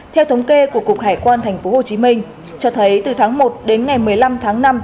theo thống kê của cục hải quan tp hcm cho thấy từ tháng một đến ngày một mươi năm tháng năm